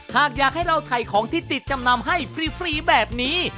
หากอยากให้เราถ่ายของที่ติดจำนำให้ฟรีแบบนี้